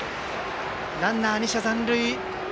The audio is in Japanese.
ランナー、２者残塁。